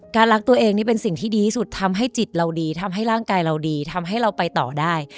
รักตัวเองนี่เป็นสิ่งที่ดีที่สุดทำให้จิตเราดีทำให้ร่างกายเราดีทำให้เราไปต่อได้